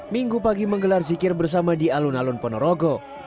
minggu pagi menggelar zikir bersama di alun alun ponorogo